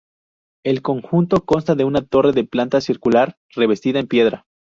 El conjunto consta de una torre de planta circular revestida en piedra.